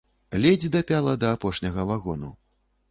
Ледзь дапяла да апошняга вагону.